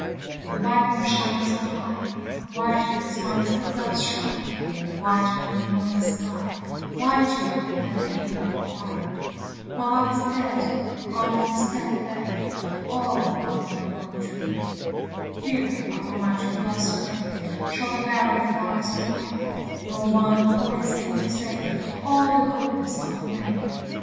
the white moon shines on high; Whiter is my true love's shroud, Whiter than the morning sky, Whiter than the evening cloud. My love is dead, etc. Here, upon my true love's grave Shall the barren flowers be laid, Nor one holy saint to save All the coldness of a maid.